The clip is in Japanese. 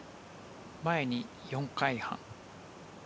前に４回半。